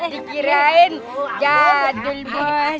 dikirain jadul bos